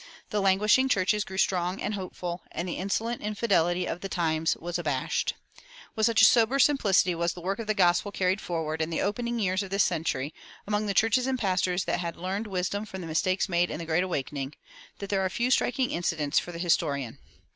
The languishing churches grew strong and hopeful, and the insolent infidelity of the times was abashed. With such sober simplicity was the work of the gospel carried forward, in the opening years of this century, among the churches and pastors that had learned wisdom from the mistakes made in the Great Awakening, that there are few striking incidents for the historian.